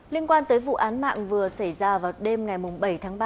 liên quan tới vụ án mạng vừa xảy ra vào đêm ngày bảy tháng ba